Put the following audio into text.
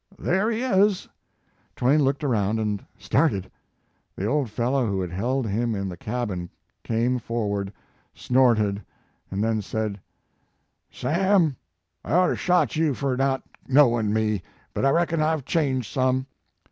"There he is." Twain looked around and started. The old fellow who had held him in the cabin came forward, snorted, and then said : "Sam, I oughter shot you fur not knowin me, but I reckon I ve changed some.